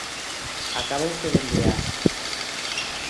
Acábocho de enviar